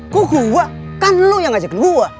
kok gua kan lo yang ngajakin gua